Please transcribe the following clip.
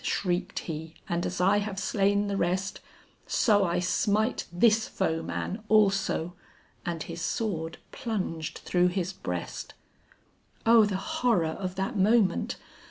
shrieked he; "and as I have slain the rest, So I smite this foeman also!" and his sword plunged through his breast. O the horror of that moment!